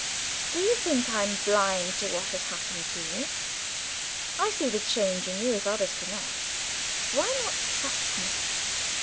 Do you think I'm blind to what has happened to you? I can see the change in you if others cannot. Why not trust me?"